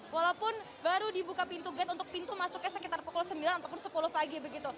walaupun baru dibuka pintu gate untuk pintu masuknya sekitar pukul sembilan ataupun sepuluh pagi begitu